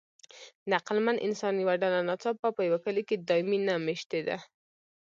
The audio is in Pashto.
د عقلمن انسان یوه ډله ناڅاپه په یوه کلي کې دایمي نه مېشتېده.